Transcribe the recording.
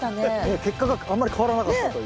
結果があんまり変わらなかったという。